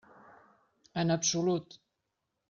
En absolut.